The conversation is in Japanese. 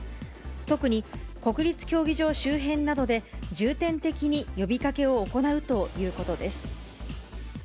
特に、国立競技場周辺などで、重点的に呼びかけを行うということです。